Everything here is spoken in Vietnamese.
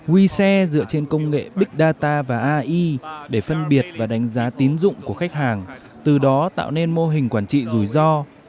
we share dựa trên công nghệ big data và ai để phân biệt và đánh giá tín dụng của khách hàng từ đó tạo nên mô hình quản trị rủi ro